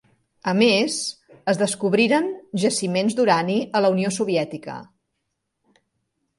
A més, es descobriren jaciments d'urani a la Unió Soviètica.